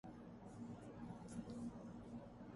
ایک بار دولت مند نے عالم بھائی کی طرف حقارت سے دیکھ کر کہا